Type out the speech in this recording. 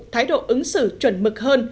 thái độ ứng xử chuẩn mực hơn